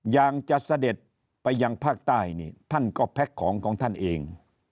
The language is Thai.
อย่างจะเสด็จไปยังภาคใต้นี่ท่านก็แพ็คของของท่านเอง